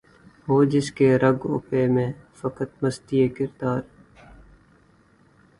ہو جس کے رگ و پے میں فقط مستی کردار